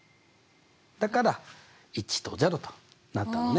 だから１と０となったのね。